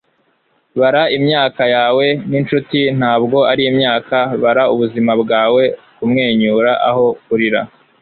bara imyaka yawe n'inshuti, ntabwo ari imyaka. bara ubuzima bwawe kumwenyura, aho kurira